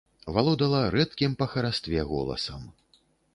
Валодала рэдкім па харастве голасам.